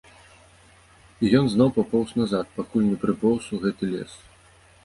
І ён зноў папоўз назад, пакуль не прыпоўз у гэты лес.